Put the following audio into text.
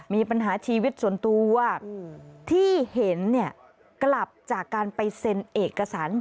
มีปัญหาชีวิตส่วนตัวที่เห็นเนี่ยกลับจากการไปเซ็นเอกสาร